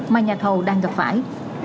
mà nhà thầu đang gặp phải